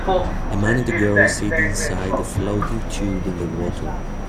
A man and a girl sit inside a floating tube in the water.